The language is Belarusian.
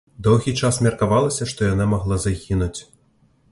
Доўгі час меркавалася, што яна магла загінуць.